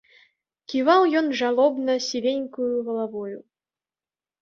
Ківаў ён жалобна сівенькаю галавою.